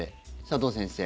佐藤先生